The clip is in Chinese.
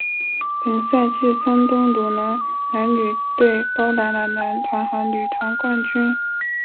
本赛季山东鲁能男女队包揽了男团和女团冠军。